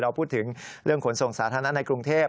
พูดถึงเรื่องขนส่งสาธารณะในกรุงเทพ